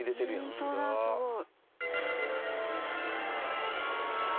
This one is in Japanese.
ホントだすごい。